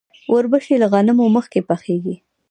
وربشې له غنمو مخکې پخیږي.